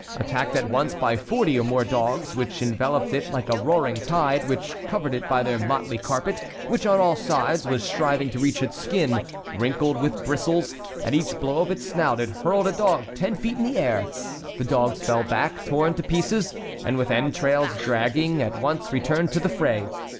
Attacked at once by forty or more dogs, which enveloped it like a roaring tide, which covered it by their motley carpet, which on all sides was striving to reach its skin, wrinkled with bristles, at each blow of its snout it hurled a dog ten feet in the air. The dogs fell back, torn to pieces, and, with entrails dragging, at once returned to the fray.